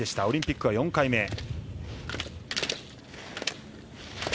オリンピックは４回目。